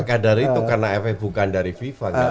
maka dari itu karena fpi bukan dari fifa